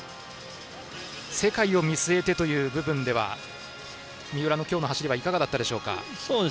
世界を見据えてという部分では三浦の今日の走りはいかがだったでしょうか。